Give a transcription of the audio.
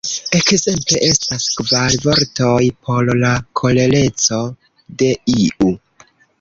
Ekzemple, estas kvar vortoj por la kolereco de iu